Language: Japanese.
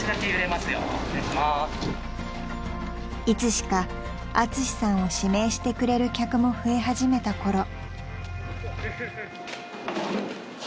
［いつしかアツシさんを指名してくれる客も増え始めたころ］